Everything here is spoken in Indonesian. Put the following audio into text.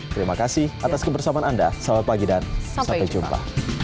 terima kasih atas kebersamaan anda selamat pagi dan sampai jumpa